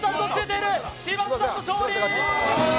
嶋佐さんの勝利！